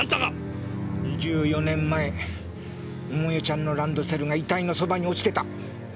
２４年前桃代ちゃんのランドセルが遺体のそばに落ちてた。